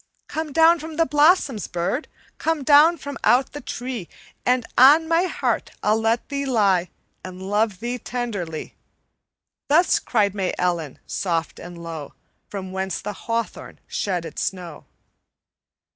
"'Come down from out the blossoms, bird! Come down from out the tree, And on my heart I'll let thee lie, And love thee tenderly!' Thus cried May Ellen, soft and low, From where the hawthorn shed its snow.